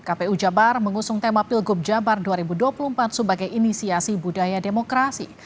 kpu jabar mengusung tema pilgub jabar dua ribu dua puluh empat sebagai inisiasi budaya demokrasi